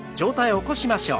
起こしましょう。